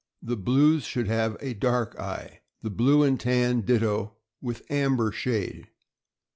The blues should have a dark eye. The blue and tan ditto, with amber shade.